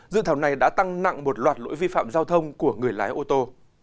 dự thảo này đã tăng nặng một loạt lỗi vi phạm giao thông của người lái ô tô